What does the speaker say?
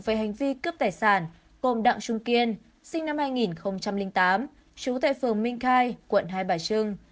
về hành vi cướp tài sản cồm đặng trung kiên sinh năm hai nghìn tám chú tệ phường minh khai quận hai bà trưng